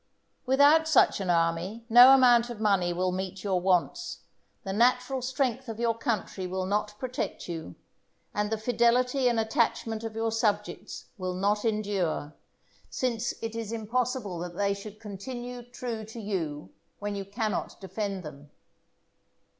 Without such an army no amount of money will meet your wants, the natural strength of your country will not protect you, and the fidelity and attachment of your subjects will not endure, since it is impossible that they should continue true to you when you cannot defend them.